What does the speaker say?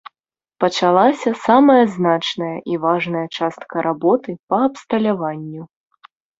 Пачалася самая значная і важная частка работы па абсталяванню.